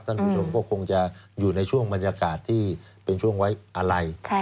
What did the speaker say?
ท่านผู้ชมก็คงจะอยู่ในช่วงบรรยากาศที่เป็นช่วงไว้อะไร